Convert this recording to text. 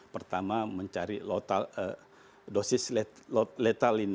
pertama mencari dosis letal ini